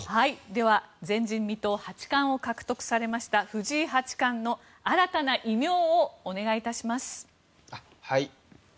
では、前人未到八冠を獲得されました藤井八冠の新たな異名をお願いします。